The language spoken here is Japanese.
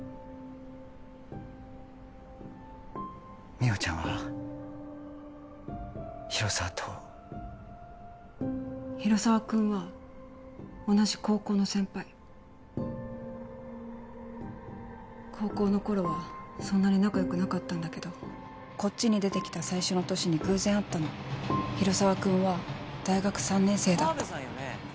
美穂ちゃんは広沢と広沢君は同じ高校の先輩高校の頃はそんなに仲良くなかったんだけどこっちに出てきた最初の年に偶然会ったの広沢君は大学３年生だった河部さんよね？